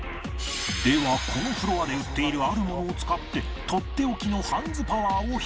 ではこのフロアで売っているあるものを使ってとっておきのハンズパワーを披露